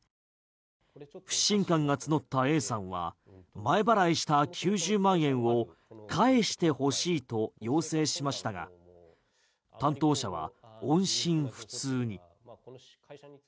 不信感が募ったＡさんは前払いした９０万円を返してほしいと要請しましたが担当者は音信不通に。